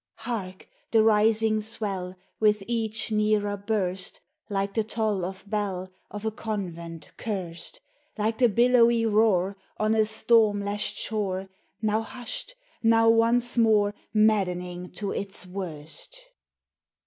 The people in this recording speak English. Hark, the rising swell, With each nearer burst Like the toll of bell Of a convent cursed ; FAIRIES: ELVES: SPRITES. 61 Like the billowy roar On a storm lashed shore, — Now hushed, now once more Maddening to its worst.